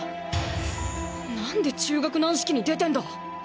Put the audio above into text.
なんで中学軟式に出てんだ